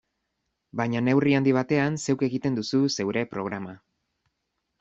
Baina neurri handi batean, zeuk egiten duzu zeure programa.